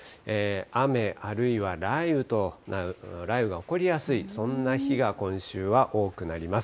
雨あるいは雷雨が起こりやすい、そんな日が、今週は多くなります。